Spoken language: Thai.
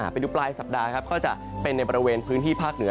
ไปดูปลายสัปดาห์ครับก็จะเป็นในบริเวณพื้นที่ภาคเหนือ